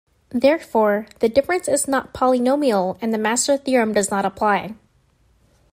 Therefore, the difference is not polynomial and the Master Theorem does not apply.